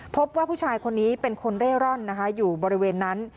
พบว่าผู้ชายคนนี้เป็นคนเร่ร่อนนะคะอยู่บริเวณนั้น